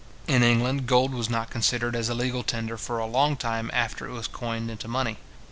In England, gold was not considered as a legal tender for a long time after it was coined into money.